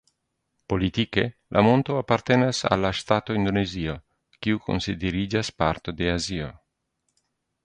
Politike la monto apartenas al la ŝtato Indonezio, kiu konsideriĝas parto de Azio.